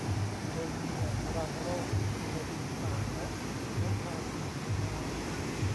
โดยมีแหล่งรังโรคอยู่ในลิงป่าและค้างคาวกินผลไม้